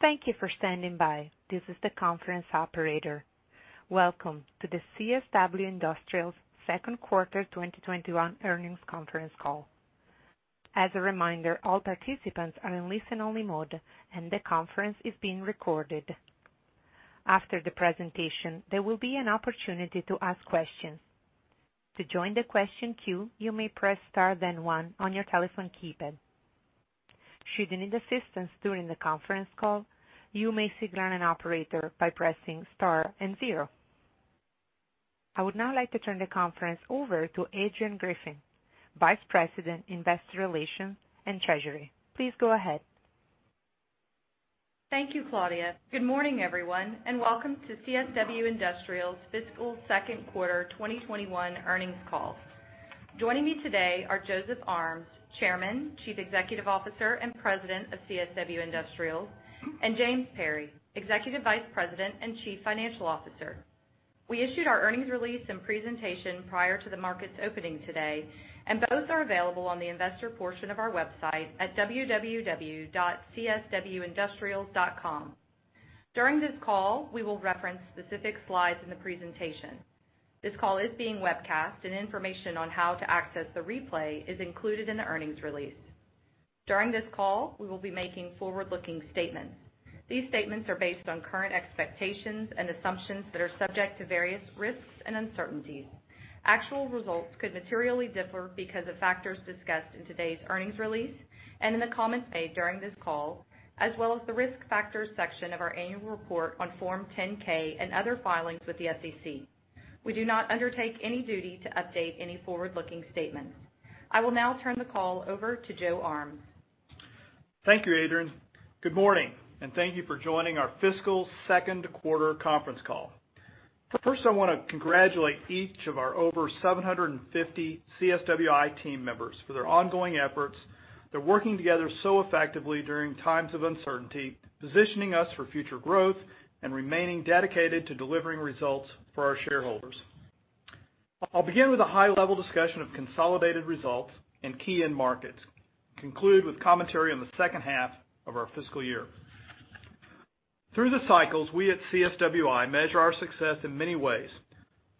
Thank you for standing by. This is the conference operator. Welcome to the CSW Industrials' second quarter 2021 earnings conference call. As a reminder, all participants are in listen-only mode, and the conference is being recorded. After the presentation, there will be an opportunity to ask questions. To join the question queue, you may press star then one on your telephone keypad. Should you need assistance during the conference call, you may signal an operator by pressing star and zero. I would now like to turn the conference over to Adrianne Griffin, Vice President, Investor Relations and Treasurer. Please go ahead. Thank you, Claudia. Good morning, everyone, and welcome to CSW Industrials's fiscal second quarter 2021 earnings call. Joining me today are Joseph Armes, Chairman, Chief Executive Officer and President of CSW Industrials, and James Perry, Executive Vice President and Chief Financial Officer. We issued our earnings release and presentation prior to the market's opening today, and both are available on the investor portion of our website at www.cswindustrials.com. During this call, we will reference specific slides in the presentation. This call is being webcast, and information on how to access the replay is included in the earnings release. During this call, we will be making forward-looking statements. These statements are based on current expectations and assumptions that are subject to various risks and uncertainties. Actual results could materially differ because of factors discussed in today's earnings release and in the comments made during this call, as well as the risk factors section of our annual report on Form 10-K and other filings with the SEC. We do not undertake any duty to update any forward-looking statements. I will now turn the call over to Joseph Armes. Thank you, Adrianne. Good morning. Thank you for joining our fiscal second quarter conference call. First, I want to congratulate each of our over 750 CSWI team members for their ongoing efforts. They're working together so effectively during times of uncertainty, positioning us for future growth and remaining dedicated to delivering results for our shareholders. I'll begin with a high-level discussion of consolidated results in key end markets, conclude with commentary on the second half of our fiscal year. Through the cycles, we at CSWI measure our success in many ways,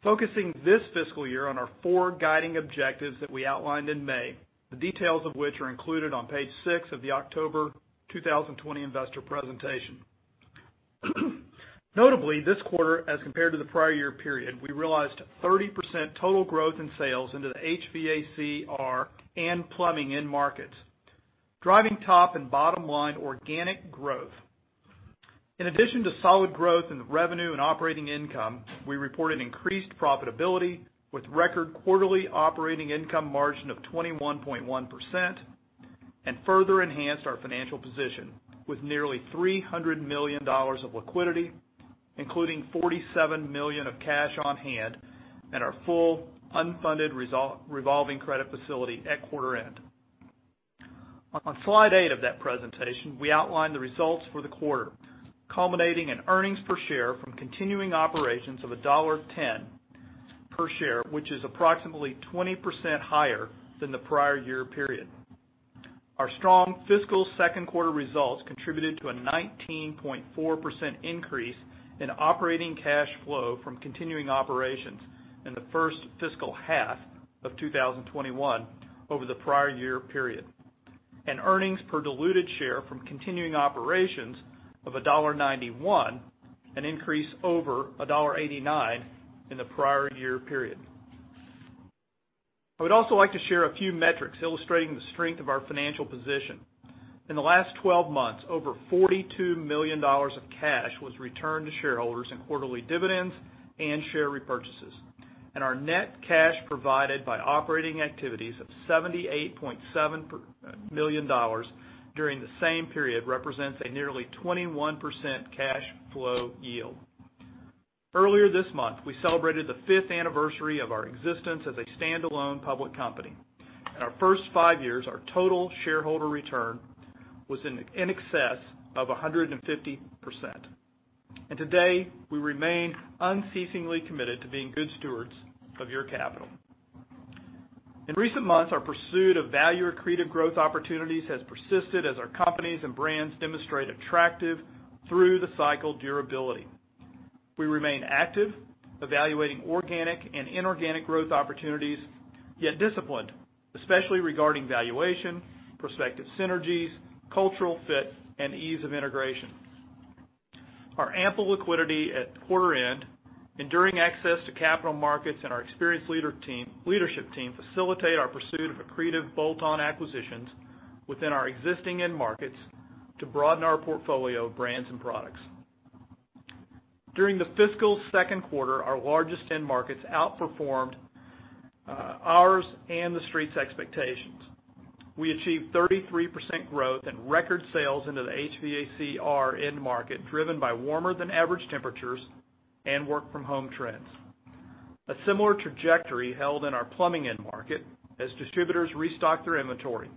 focusing this fiscal year on our four guiding objectives that we outlined in May. The details of which are included on page six of the October 2020 investor presentation. Notably, this quarter, as compared to the prior year period, we realized 30% total growth in sales into the HVACR and plumbing end markets, driving top and bottom line organic growth. In addition to solid growth in revenue and operating income, we reported increased profitability with record quarterly operating income margin of 21.1% and further enhanced our financial position with nearly $300 million of liquidity, including $47 million of cash on hand and our full unfunded revolving credit facility at quarter end. On slide eight of that presentation, we outlined the results for the quarter, culminating in earnings per share from continuing operations of $1.10 per share, which is approximately 20% higher than the prior year period. Our strong fiscal second quarter results contributed to a 19.4% increase in operating cash flow from continuing operations in the first fiscal half of 2021 over the prior year period, and earnings per diluted share from continuing operations of $1.91, an increase over $1.89 in the prior year period. I would also like to share a few metrics illustrating the strength of our financial position. In the last 12 months, over $42 million of cash was returned to shareholders in quarterly dividends and share repurchases, and our net cash provided by operating activities of $78.7 million during the same period represents a nearly 21% cash flow yield. Earlier this month, we celebrated the fifth anniversary of our existence as a standalone public company. In our first five years, our total shareholder return was in excess of 150%. Today, we remain unceasingly committed to being good stewards of your capital. In recent months, our pursuit of value-accretive growth opportunities has persisted as our companies and brands demonstrate attractive through-the-cycle durability. We remain active, evaluating organic and inorganic growth opportunities, yet disciplined, especially regarding valuation, prospective synergies, cultural fit, and ease of integration. Our ample liquidity at quarter end, enduring access to capital markets, and our experienced leadership team facilitate our pursuit of accretive bolt-on acquisitions within our existing end markets to broaden our portfolio of brands and products. During the fiscal second quarter, our largest end markets outperformed ours and the street's expectations. We achieved 33% growth and record sales into the HVACR end market, driven by warmer than average temperatures and work from home trends. A similar trajectory held in our plumbing end market as distributors restocked their inventory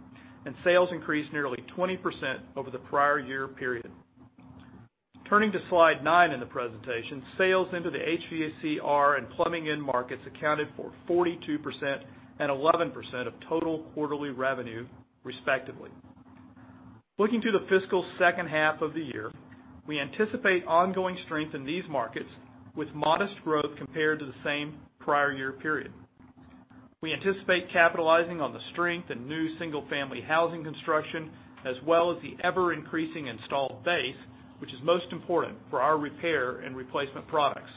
and sales increased nearly 20% over the prior year period. Turning to slide nine in the presentation, sales into the HVACR and plumbing end markets accounted for 42% and 11% of total quarterly revenue, respectively. Looking to the fiscal second half of the year, we anticipate ongoing strength in these markets, with modest growth compared to the same prior year period. We anticipate capitalizing on the strength in new single-family housing construction, as well as the ever-increasing installed base, which is most important for our repair and replacement products.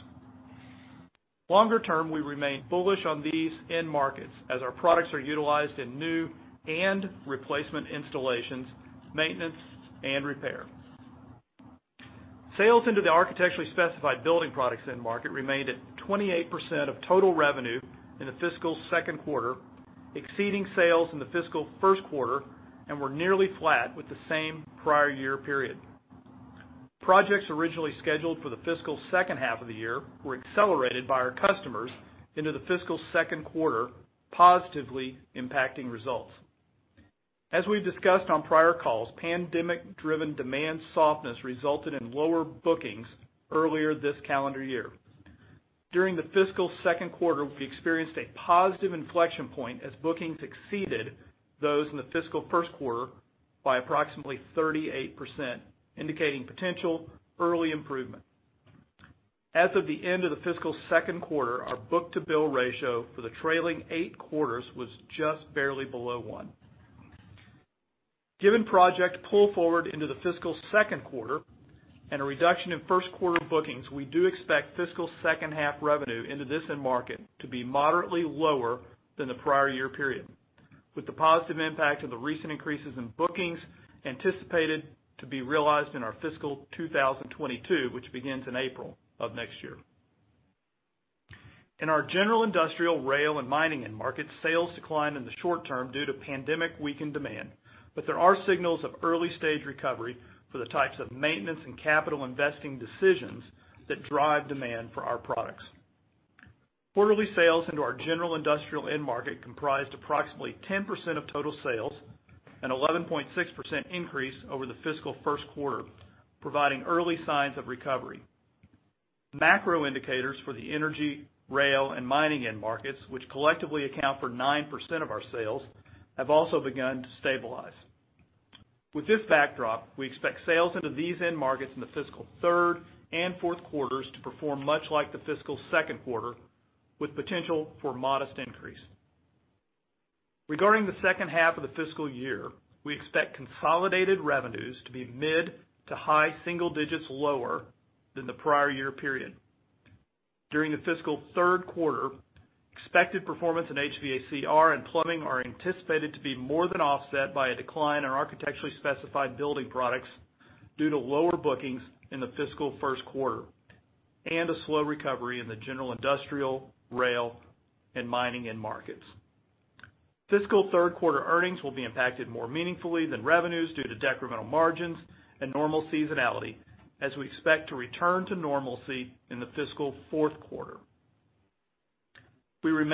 Longer term, we remain bullish on these end markets as our products are utilized in new and replacement installations, maintenance, and repair. Sales into the architecturally specified building products end market remained at 28% of total revenue in the fiscal second quarter, exceeding sales in the fiscal first quarter, and were nearly flat with the same prior year period. Projects originally scheduled for the fiscal second half of the year were accelerated by our customers into the fiscal second quarter, positively impacting results. As we've discussed on prior calls, pandemic-driven demand softness resulted in lower bookings earlier this calendar year. During the fiscal second quarter, we experienced a positive inflection point as bookings exceeded those in the fiscal first quarter by approximately 38%, indicating potential early improvement. As of the end of the fiscal second quarter, our book-to-bill ratio for the trailing eight quarters was just barely below one. Given project pull forward into the fiscal second quarter and a reduction in first quarter bookings, we do expect fiscal second half revenue into this end market to be moderately lower than the prior year period, with the positive impact of the recent increases in bookings anticipated to be realized in our fiscal 2022, which begins in April of next year. In our general industrial, rail, and mining end markets, sales declined in the short term due to pandemic-weakened demand, but there are signals of early-stage recovery for the types of maintenance and capital investing decisions that drive demand for our products. Quarterly sales into our general industrial end market comprised approximately 10% of total sales, an 11.6% increase over the fiscal first quarter, providing early signs of recovery. Macro indicators for the energy, rail, and mining end markets, which collectively account for 9% of our sales, have also begun to stabilize. With this backdrop, we expect sales into these end markets in the fiscal third and fourth quarters to perform much like the fiscal second quarter, with potential for modest increase. Regarding the second half of the fiscal year, we expect consolidated revenues to be mid to high single digits lower than the prior year period. During the fiscal third quarter, expected performance in HVACR and plumbing are anticipated to be more than offset by a decline in architecturally specified building products due to lower bookings in the fiscal first quarter and a slow recovery in the general industrial, rail, and mining end markets. Fiscal third quarter earnings will be impacted more meaningfully than revenues due to decremental margins and normal seasonality as we expect to return to normalcy in the fiscal fourth quarter. We're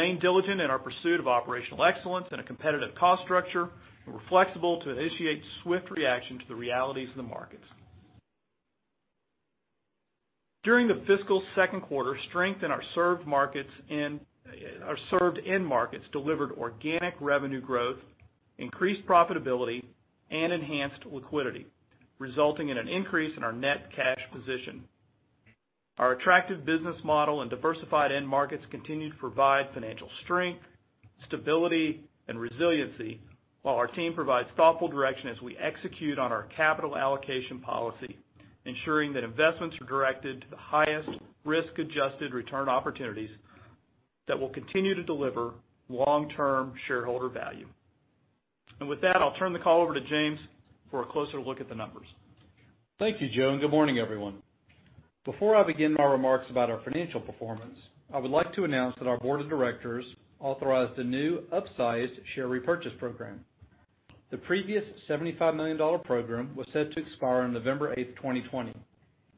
flexible to initiate swift reaction to the realities of the markets. During the fiscal second quarter, strength in our served end markets delivered organic revenue growth, increased profitability, and enhanced liquidity, resulting in an increase in our net cash position. Our attractive business model and diversified end markets continue to provide financial strength, stability, and resiliency while our team provides thoughtful direction as we execute on our capital allocation policy, ensuring that investments are directed to the highest risk-adjusted return opportunities that will continue to deliver long-term shareholder value. With that, I'll turn the call over to James for a closer look at the numbers. Thank you, Joseph, and good morning, everyone. Before I begin my remarks about our financial performance, I would like to announce that our board of directors authorized a new upsized share repurchase program. The previous $75 million program was set to expire on November 8th, 2020,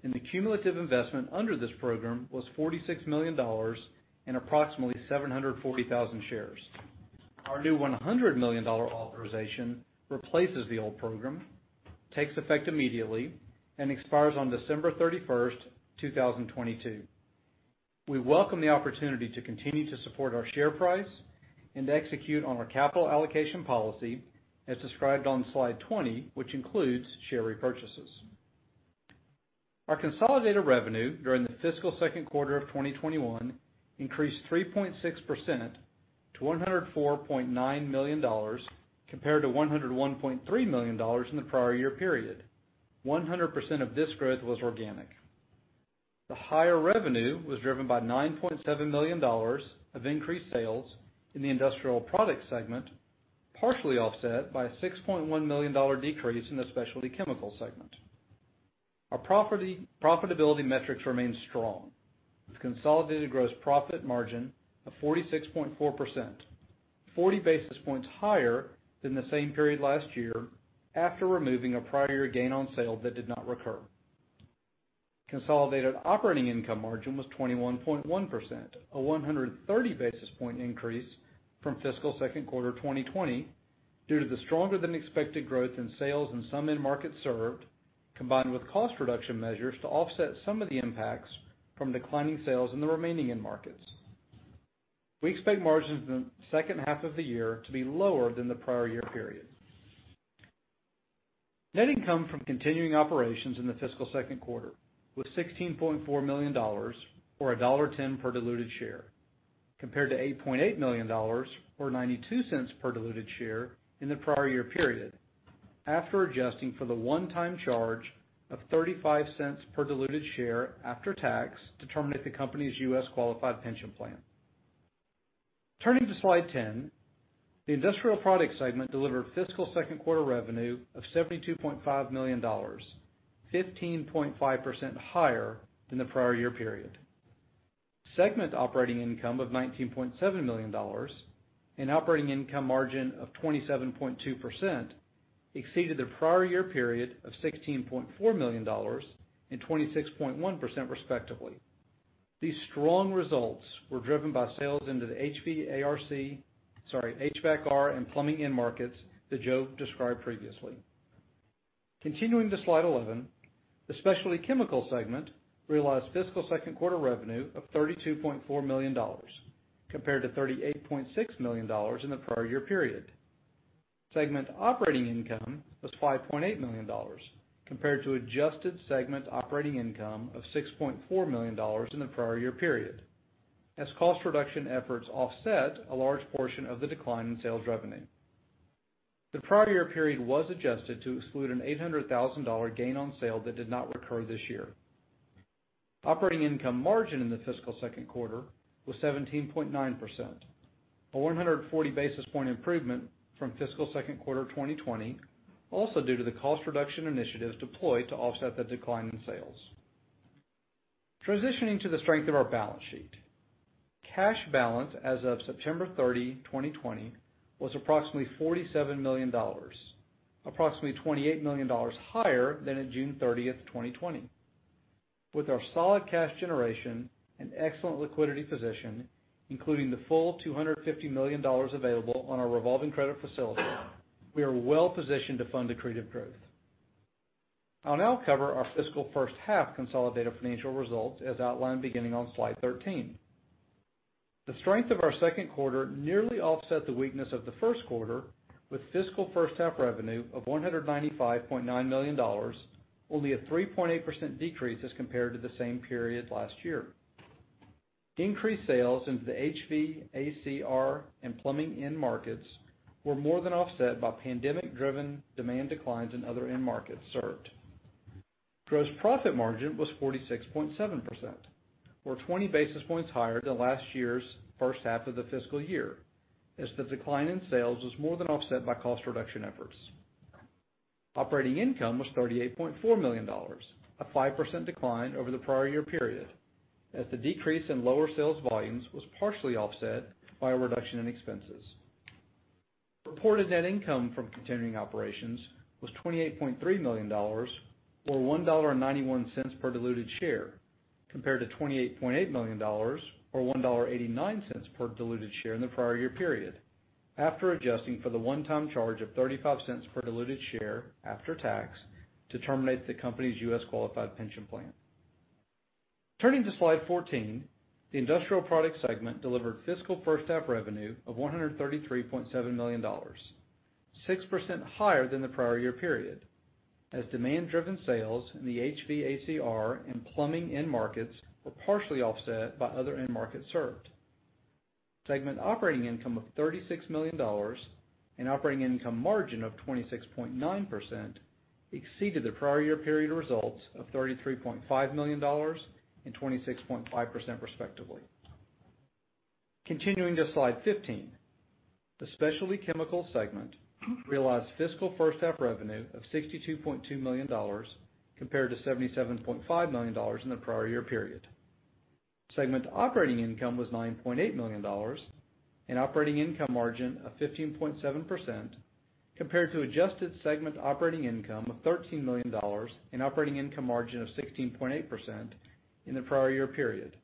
and the cumulative investment under this program was $46 million and approximately 740,000 shares. Our new $100 million authorization replaces the old program, takes effect immediately, and expires on December 31st, 2022. We welcome the opportunity to continue to support our share price and execute on our capital allocation policy as described on slide 20, which includes share repurchases. Our consolidated revenue during the fiscal second quarter of 2021 increased 3.6% to $104.9 million, compared to $101.3 million in the prior year period. 100% of this growth was organic. The higher revenue was driven by $9.7 million of increased sales in the industrial products segment, partially offset by a $6.1 million decrease in the specialty chemicals segment. Our profitability metrics remain strong, with consolidated gross profit margin of 46.4%, 40 basis points higher than the same period last year, after removing a prior year gain on sale that did not recur. Consolidated operating income margin was 21.1%, a 130 basis point increase from fiscal second quarter 2020 Due to the stronger than expected growth in sales in some end markets served, combined with cost reduction measures to offset some of the impacts from declining sales in the remaining end markets. We expect margins in the second half of the year to be lower than the prior year period. Net income from continuing operations in the fiscal second quarter was $16.4 million, or $1.10 per diluted share, compared to $8.8 million or $0.92 per diluted share in the prior year period, after adjusting for the one-time charge of $0.35 per diluted share after tax to terminate the company's U.S. qualified pension plan. Turning to slide 10. The industrial products segment delivered fiscal second quarter revenue of $72.5 million, 15.5% higher than the prior year period. Segment operating income of $19.7 million and operating income margin of 27.2% exceeded the prior year period of $16.4 million and 26.1% respectively. These strong results were driven by sales into the HVACR, sorry, HVAC/R and plumbing end markets that Joseph described previously. Continuing to slide 11. The specialty chemical segment realized fiscal second quarter revenue of $32.4 million, compared to $38.6 million in the prior year period. Segment operating income was $5.8 million compared to adjusted segment operating income of $6.4 million in the prior year period, as cost reduction efforts offset a large portion of the decline in sales revenue. The prior year period was adjusted to exclude an $800,000 gain on sale that did not recur this year. Operating income margin in the fiscal second quarter was 17.9%, a 140 basis point improvement from fiscal second quarter 2020, also due to the cost reduction initiatives deployed to offset the decline in sales. Transitioning to the strength of our balance sheet. Cash balance as of September 30, 2020, was approximately $47 million, approximately $28 million higher than at June 30, 2020. With our solid cash generation and excellent liquidity position, including the full $250 million available on our revolving credit facility, we are well positioned to fund accretive growth. I'll now cover our fiscal first half consolidated financial results as outlined beginning on slide 13. The strength of our second quarter nearly offset the weakness of the first quarter, with fiscal first half revenue of $195.9 million, only a 3.8% decrease as compared to the same period last year. Increased sales into the HVACR and plumbing end markets were more than offset by pandemic-driven demand declines in other end markets served. Gross profit margin was 46.7%, or 20 basis points higher than last year's first half of the fiscal year, as the decline in sales was more than offset by cost reduction efforts. Operating income was $38.4 million, a 5% decline over the prior year period as the decrease in lower sales volumes was partially offset by a reduction in expenses. Reported net income from continuing operations was $28.3 million, or $1.91 per diluted share, compared to $28.8 million or $1.89 per diluted share in the prior year period, after adjusting for the one-time charge of $0.35 per diluted share after tax to terminate the company's U.S. qualified pension plan. Turning to slide 14. The industrial products segment delivered fiscal first half revenue of $133.7 million, 6% higher than the prior year period, as demand-driven sales in the HVACR and plumbing end markets were partially offset by other end markets served. Segment operating income of $36 million and operating income margin of 26.9% exceeded the prior year period results of $33.5 million and 26.5%, respectively. Continuing to slide 15. The specialty chemical segment realized fiscal first half revenue of $62.2 million compared to $77.5 million in the prior year period. Segment operating income was $9.8 million and operating income margin of 15.7%, compared to adjusted segment operating income of $13 million and operating income margin of 16.8% in the prior year period,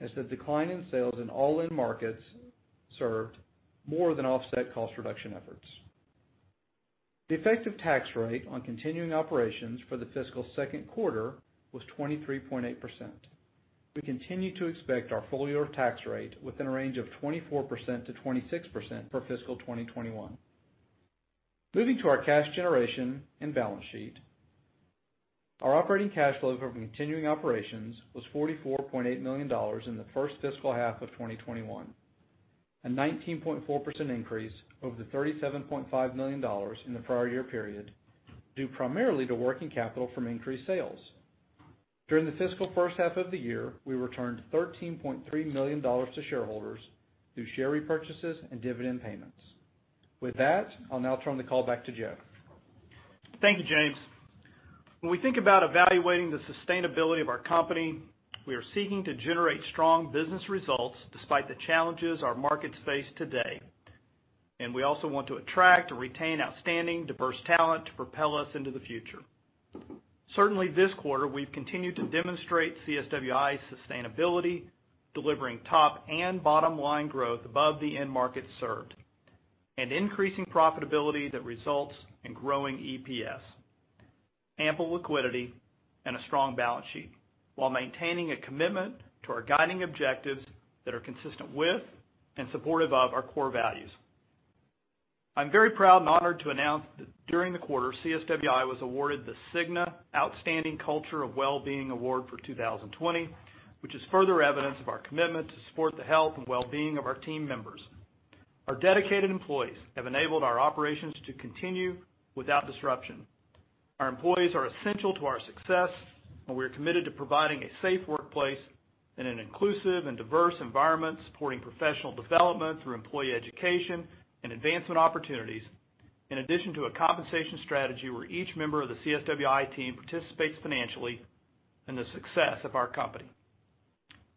as the decline in sales in all end markets served more than offset cost reduction efforts. The effective tax rate on continuing operations for the fiscal second quarter was 23.8%. We continue to expect our full-year tax rate within a range of 24%-26% for fiscal 2021. Moving to our cash generation and balance sheet. Our operating cash flow from continuing operations was $44.8 million in the first fiscal half of 2021, a 19.4% increase over the $37.5 million in the prior year period due primarily to working capital from increased sales. During the fiscal first half of the year, we returned $13.3 million to shareholders through share repurchases and dividend payments. With that, I'll now turn the call back to Joseph. Thank you, James. When we think about evaluating the sustainability of our company, we are seeking to generate strong business results despite the challenges our markets face today. We also want to attract and retain outstanding diverse talent to propel us into the future. Certainly this quarter, we have continued to demonstrate CSWI sustainability, delivering top- and bottom-line growth above the end market served, and increasing profitability that results in growing EPS, ample liquidity, and a strong balance sheet while maintaining a commitment to our guiding objectives that are consistent with and supportive of our core values. I am very proud and honored to announce that during the quarter, CSWI was awarded the Cigna Outstanding Culture of Well-Being Award for 2020, which is further evidence of our commitment to support the health and well-being of our team members. Our dedicated employees have enabled our operations to continue without disruption. Our employees are essential to our success, and we are committed to providing a safe workplace in an inclusive and diverse environment, supporting professional development through employee education and advancement opportunities, in addition to a compensation strategy where each member of the CSWI team participates financially in the success of our company.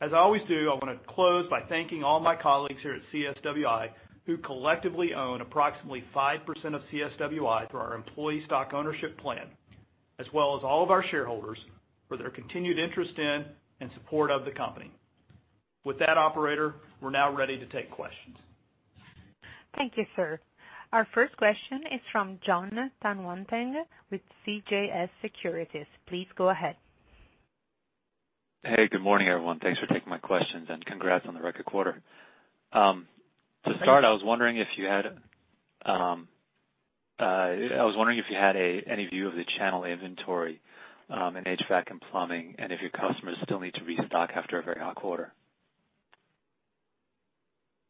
As I always do, I want to close by thanking all my colleagues here at CSWI, who collectively own approximately 5% of CSWI through our employee stock ownership plan, as well as all of our shareholders for their continued interest in and support of the company. With that, operator, we're now ready to take questions. Thank you, sir. Our first question is from Jonathan Tanwanteng with CJS Securities. Please go ahead. Hey, good morning, everyone. Thanks for taking my questions, and congrats on the record quarter. To start, I was wondering if you had any view of the channel inventory in HVAC and plumbing, and if your customers still need to restock after a very hot quarter?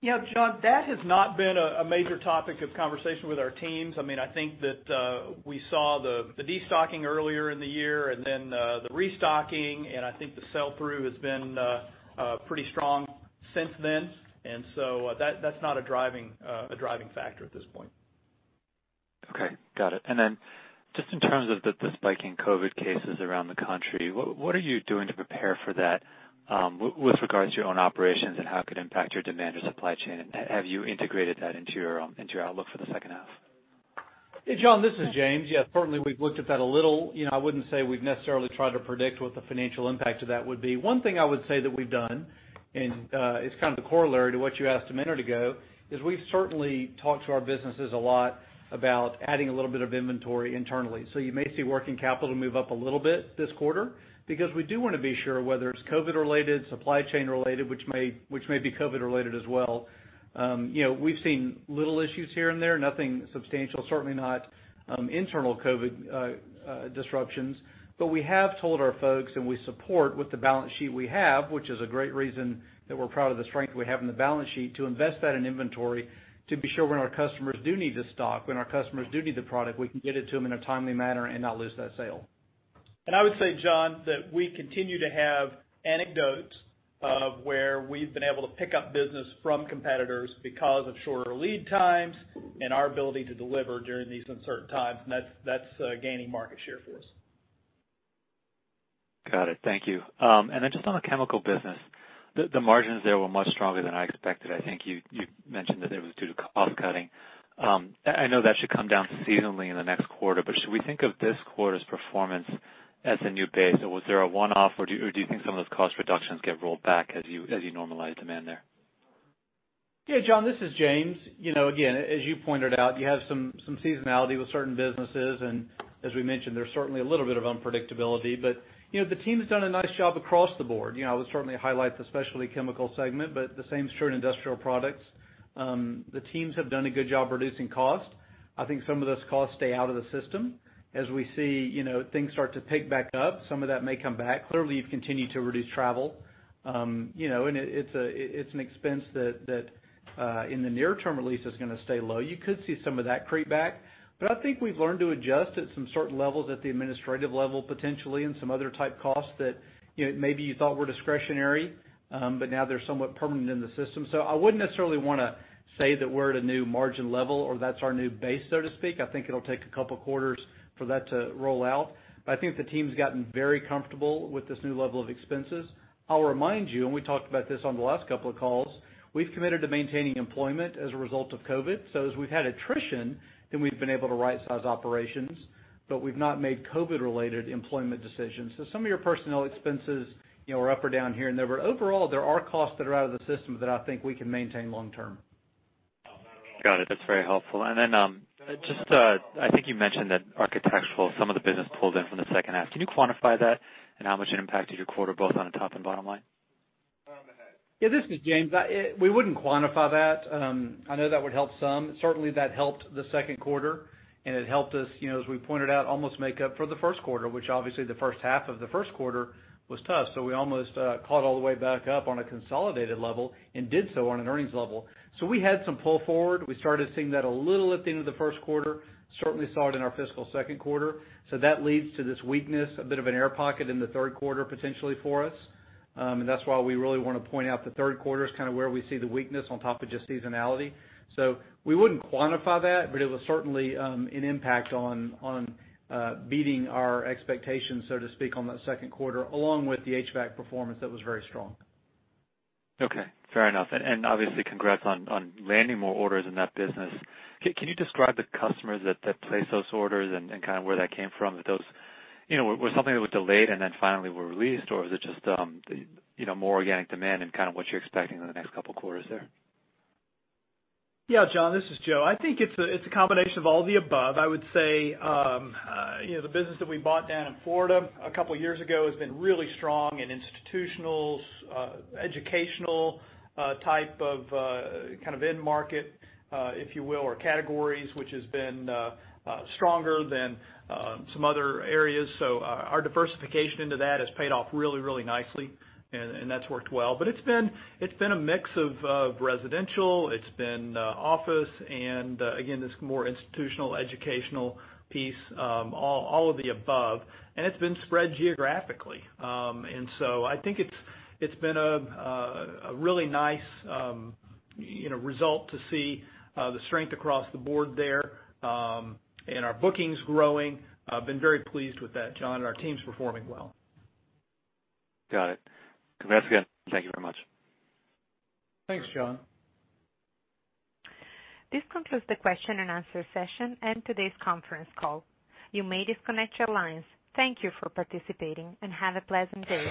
Yeah, Jonathan, that has not been a major topic of conversation with our teams. I think that we saw the de-stocking earlier in the year and then the restocking, and I think the sell-through has been pretty strong since then. That's not a driving factor at this point. Okay. Got it. Just in terms of the spike in COVID cases around the country, what are you doing to prepare for that with regards to your own operations, and how it could impact your demand or supply chain? Have you integrated that into your outlook for the second half? Hey, Jonathan, this is James. Yeah, certainly we've looked at that a little. I wouldn't say we've necessarily tried to predict what the financial impact of that would be. One thing I would say that we've done, and it's kind of the corollary to what you asked a minute ago, is we've certainly talked to our businesses a lot about adding a little bit of inventory internally. You may see working capital move up a little bit this quarter because we do want to be sure whether it's COVID related, supply chain related, which may be COVID related as well. We've seen little issues here and there, nothing substantial, certainly not internal COVID disruptions. We have told our folks, and we support with the balance sheet we have, which is a great reason that we're proud of the strength we have in the balance sheet, to invest that in inventory to be sure when our customers do need to stock, when our customers do need the product, we can get it to them in a timely manner and not lose that sale. I would say, Jonathan, that we continue to have anecdotes of where we've been able to pick up business from competitors because of shorter lead times and our ability to deliver during these uncertain times, and that's gaining market share for us. Got it. Thank you. Then just on the chemical business, the margins there were much stronger than I expected. I think you mentioned that it was due to cost cutting. I know that should come down seasonally in the next quarter, but should we think of this quarter's performance as a new base? Was there a one-off? Do you think some of those cost reductions get rolled back as you normalize demand there? Yeah, Jonathan, this is James. Again, as you pointed out, you have some seasonality with certain businesses, as we mentioned, there's certainly a little bit of unpredictability. The team has done a nice job across the board. I would certainly highlight the specialty chemical segment, the same is true in industrial products. The teams have done a good job reducing cost. I think some of those costs stay out of the system. As we see things start to pick back up, some of that may come back. Clearly, you've continued to reduce travel. It's an expense that in the near term at least is going to stay low. You could see some of that creep back. I think we've learned to adjust at some certain levels at the administrative level, potentially, and some other type costs that maybe you thought were discretionary, but now they're somewhat permanent in the system. I wouldn't necessarily want to say that we're at a new margin level or that's our new base, so to speak. I think it'll take a couple of quarters for that to roll out. I think the team's gotten very comfortable with this new level of expenses. I'll remind you, and we talked about this on the last couple of calls, we've committed to maintaining employment as a result of COVID. As we've had attrition, then we've been able to right-size operations, but we've not made COVID-related employment decisions. Some of your personnel expenses are up or down here and there, but overall, there are costs that are out of the system that I think we can maintain long term. Got it. That's very helpful. Just I think you mentioned that architectural, some of the business pulled in from the second half. Can you quantify that and how much it impacted your quarter, both on the top and bottom line? This is James. We wouldn't quantify that. I know that would help some. Certainly, that helped the second quarter, and it helped us, as we pointed out, almost make up for the first quarter, which obviously the first half of the first quarter was tough. We almost caught all the way back up on a consolidated level and did so on an earnings level. We had some pull forward. We started seeing that a little at the end of the first quarter, certainly saw it in our fiscal second quarter. That leads to this weakness, a bit of an air pocket in the third quarter, potentially, for us. That's why we really want to point out the third quarter is kind of where we see the weakness on top of just seasonality. We wouldn't quantify that, but it was certainly an impact on beating our expectations, so to speak, on that second quarter, along with the HVAC performance that was very strong. Okay. Fair enough. Obviously, congrats on landing more orders in that business. Can you describe the customers that place those orders and kind of where that came from? Was something that was delayed and then finally were released, or was it just more organic demand and kind of what you're expecting in the next couple of quarters there? Yeah, Jonathan, this is Joseph. I think it's a combination of all the above. I would say the business that we bought down in Florida a couple of years ago has been really strong in institutionals, educational type of end market, if you will, or categories, which has been stronger than some other areas. Our diversification into that has paid off really nicely and that's worked well. It's been a mix of residential, it's been office, and again, this more institutional, educational piece, all of the above. It's been spread geographically. I think it's been a really nice result to see the strength across the board there and our bookings growing. I've been very pleased with that, Jonathan, and our team's performing well. Got it. Congrats again. Thank you very much. Thanks, Jonathan. This concludes the question and answer session and today's conference call. You may disconnect your lines. Thank you for participating and have a pleasant day.